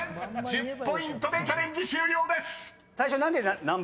［１０ポイントでチャレンジ終了です］